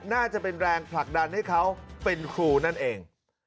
น่าจะเป็นแรงผลักดันให้เขาเป็นครูนั่นเอง